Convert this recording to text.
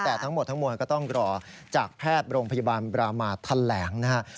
แต่ทั้งหมดทั้งมวลก็ต้องรอจากแพทย์โรงพยาบาลบรามาแถลงนะครับ